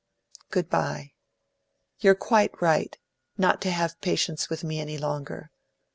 Good bye. You're quite right, not to have patience with me any longer.